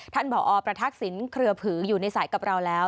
ผอประทักษิณเครือผืออยู่ในสายกับเราแล้ว